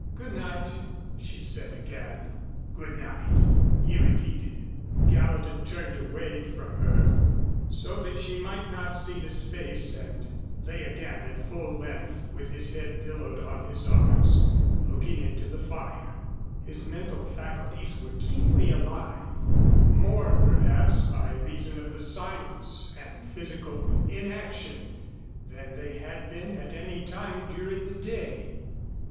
"Good night," she said again. "Good night," he repeated. Gallatin turned away from her so that she might not see his face and lay again at full length with his head pillowed on his arms, looking into the fire. His mental faculties were keenly alive, more perhaps by reason of the silence and physical inaction than they had been at any time during the day.